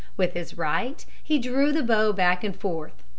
With his right, he drew the bow back and forth.